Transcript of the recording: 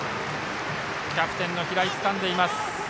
キャプテンの平井つかんでいます。